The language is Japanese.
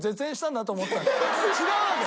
違うわけね？